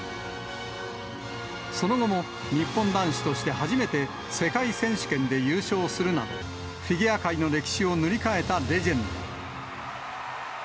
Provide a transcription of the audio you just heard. その後も日本男子として初めて世界選手権で優勝するなど、フィギュア界の歴史を塗り替えたレジェンド。